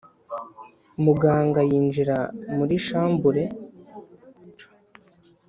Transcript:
muganga yinjira muri chambure